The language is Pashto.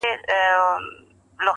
محرابونه به موخپل جومات به خپل وي-